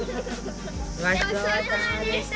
ごちそうさまでした！